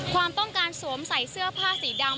ความต้องการสวมใส่เสื้อผ้าสีดำ